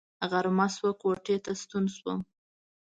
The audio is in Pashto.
غرمه شوه کوټې ته ستون شوم.